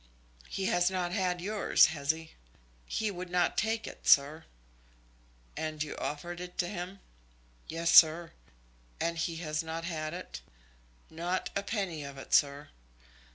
"He has not had yours; has he?" "He would not take it, sir." "And you offered it to him?" "Yes, sir." "And he has not had it?" "Not a penny of it, sir."